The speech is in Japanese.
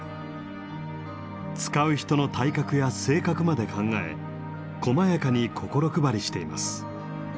使う人の体格や性格まで考えこまやかに心配りしています。